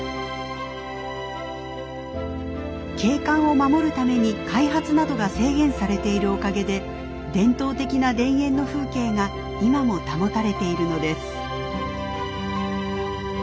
景観を守るために開発などが制限されているおかげで伝統的な田園の風景が今も保たれているのです。